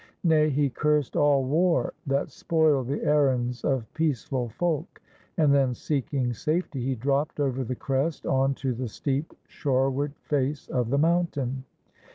Nay, he cursed all war, that spoiled the errands of peaceful folk. And then, seeking safety, he dropped over the crest on to the steep shoreward face of the mountain.